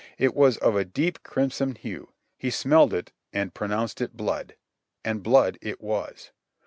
It was of a deep crimson hue ; he smelled it and pronounced it blood ! And blood it was.